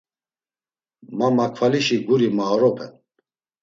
Ma makvalişi guri maoropen.